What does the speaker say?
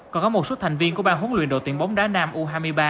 còn có một số thành viên của bang huấn luyện đội tuyển bóng đá nam u hai mươi ba